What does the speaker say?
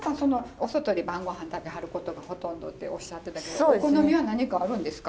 お外で晩ごはん食べはることがほとんどっておっしゃってたけどお好みは何かあるんですか？